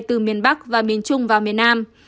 từ miền bắc và miền trung vào miền nam